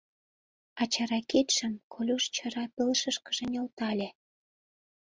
А чара кидшым Колюш чара пылышышкыже нӧлтале.